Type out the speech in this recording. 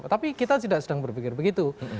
tapi kita tidak sedang berpikir begitu